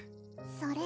それ